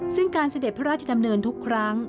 ซึ่งการเสด็จพระราชดำเนินทุกครั้ง